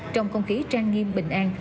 trong không khí trang nghiêm bình an